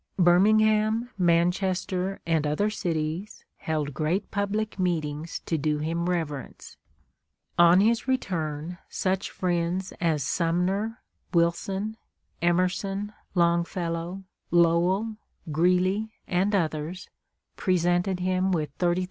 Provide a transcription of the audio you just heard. Birmingham, Manchester, and other cities held great public meetings to do him reverence. On his return, such friends as Sumner, Wilson, Emerson, Longfellow, Lowell, Greeley, and others presented him with $30,000.